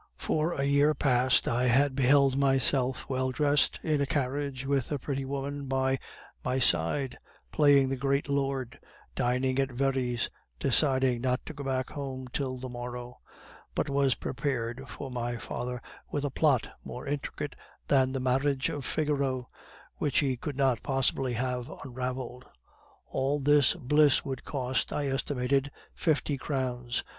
For a year past I had beheld myself well dressed, in a carriage, with a pretty woman by my side, playing the great lord, dining at Very's, deciding not to go back home till the morrow; but was prepared for my father with a plot more intricate than the Marriage of Figaro, which he could not possibly have unraveled. All this bliss would cost, I estimated, fifty crowns.